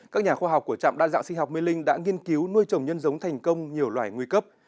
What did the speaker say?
các nhà khoa học của trạm đa dạng sinh học mê linh đã nghiên cứu nuôi trồng nhân giống thành công nhiều loài nguy cấp